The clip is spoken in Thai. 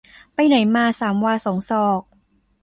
ไปไหนมาสามวาสองศอก